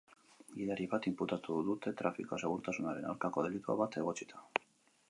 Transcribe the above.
Gidari bat inputatu dute trafiko segurtasunaren aurkako delitu bat egotzita.